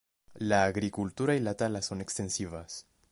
La agricultura y la tala son extensivas.